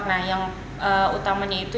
nah yang utamanya itu